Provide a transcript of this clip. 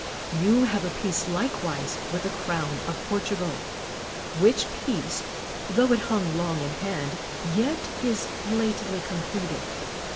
You have a peace likewise with the crown of Portugal; which peace, tho it hung long in 132 CROMWELL hand, yet is lately concluded.